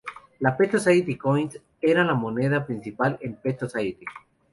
Las Pet Society Coins eran la moneda principal en Pet Society.